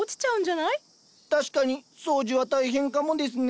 確かに掃除は大変かもですね。